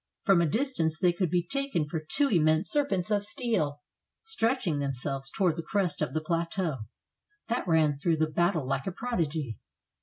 From a distance they would be taken for two immense serpents of steel stretching themselves to ward the crest of the plateau. That ran through the battle like a prodigy.